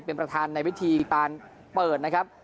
เป็นประธานในวิธีการเปิดนะครับ